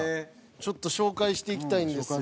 ちょっと紹介していきたいんですが。